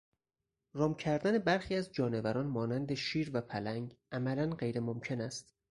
رام کردن برخی از جانوران مانند شیر و پلنگ عملا غیر ممکن است.